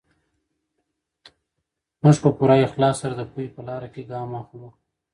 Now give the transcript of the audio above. موږ په پوره اخلاص سره د پوهې په لاره کې ګام اخلو.